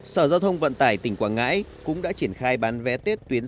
sở giao thông vận tải tỉnh quảng ngãi cũng đã triển khai bán vé tết tuyến